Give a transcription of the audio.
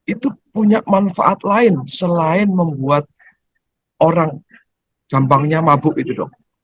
itu punya manfaat lain selain membuat orang gampangnya mabuk itu dong